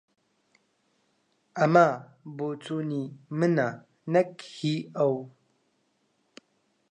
ئەمە بۆچوونی منە، نەک هی ئەو.